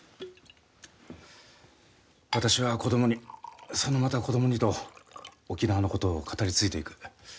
私は子供にそのまた子供にと沖縄のことを語り継いでいく。